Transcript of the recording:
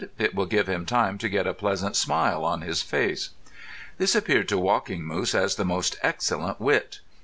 "It will give him time to get a pleasant smile on his face." This appeared to Walking Moose as the most excellent wit.